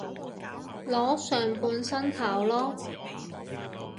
裸上半身跑囉